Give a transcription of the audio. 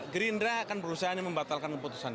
gerindra akan berusaha ini membatalkan keputusan ini